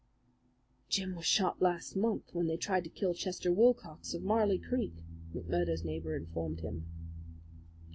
"Jim was shot last month when they tried to kill Chester Wilcox of Marley Creek," McMurdo's neighbour informed him.